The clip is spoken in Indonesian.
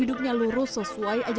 tidak ada kejadilan